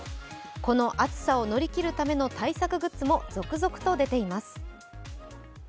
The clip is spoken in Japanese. この暑さを乗り切るための対策グッズも続々と出ています。